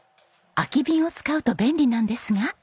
空き瓶を使うと便利なんですが。